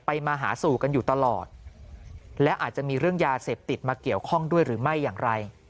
มาหาสู่กันอยู่ตลอดและอาจจะมีเรื่องยาเสพติดมาเกี่ยวข้องด้วยหรือไม่อย่างไร